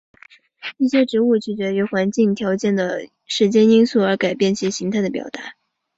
一些植物取决于环境条件的时间因素而改变其形态的表达。